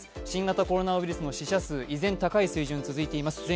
新型コロナウイルスの死者数、依然、高い水準が続いています。